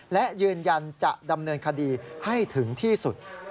และยืนยันจะดำเนินคดีให้ถึงที่สุด